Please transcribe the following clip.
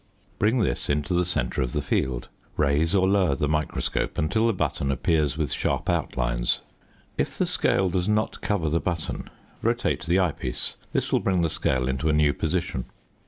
Bring this into the centre of the field. Raise or lower the microscope until the button appears with sharp outlines. If the scale does not cover the button, rotate the eye piece; this will bring the scale into a new position.